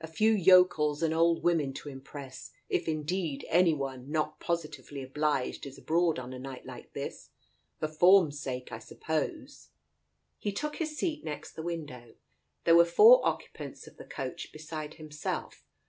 A few yokels and old women to impress, if indeed, any one not positively obliged is abroad on a night like this ! For form's sake, I suppose !" Digitized by Google 134 TALES OF THE UNEASY He took his seat next the window. There were four occupants of the coach beside himself.